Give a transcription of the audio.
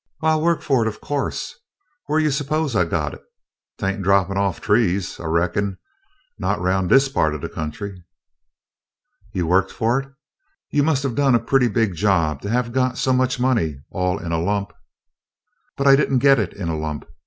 "Why, I wo'ked fu' it, o' co'se, whaih you s'pose I got it? 'T ain't drappin' off trees, I reckon, not roun' dis pa't of de country." "You worked for it? You must have done a pretty big job to have got so much money all in a lump?" "But I did n't git it in a lump.